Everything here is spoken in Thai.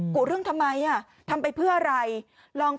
กุเรื่องทำไมทำไปเพื่ออะไรลองฟังดูนะฮะ